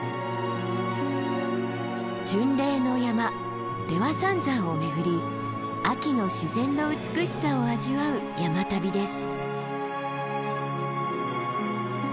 巡礼の山出羽三山を巡り秋の自然の美しさを味わう山旅です。